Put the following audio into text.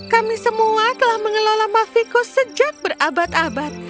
kami semua telah mengelola mafikus sejak berabad abad